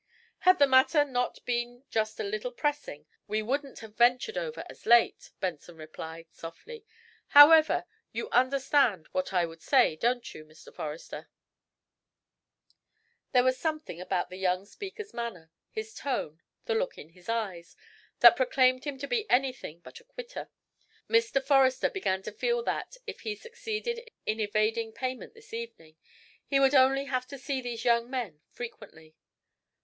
"Had the matter not been just a little pressing we wouldn't have ventured over as late," Benson replied, softly. "However, you understand what I would say, don't you, Mr. Forrester?" There was something about the young speaker's manner, his tone, the look in his eyes, that proclaimed him to be anything but a "quitter." Mr. Forrester began to feel that, if he succeeded in evading payment this evening, he would only have to see these young men frequently.